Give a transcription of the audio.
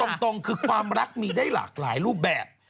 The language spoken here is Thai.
ตรงคือความรักมีได้หลากหลายรูปแบบ